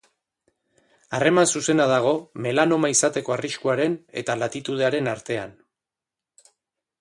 Harreman zuzena dago melanoma izateko arriskuaren eta latitudearen artean.